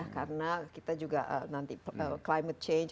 karena kita juga nanti climate change